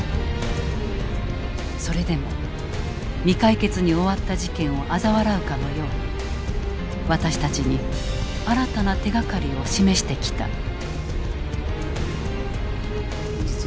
それでも未解決に終わった事件をあざ笑うかのように私たちに新たな手がかりを示してきた。